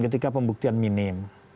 ketika pembuktian minim